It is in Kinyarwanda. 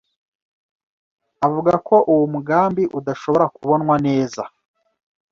Avuga ko uwo mugambi udashobora kubonwa neza